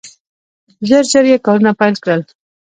ژر ژر یې کارونه پیل کړل.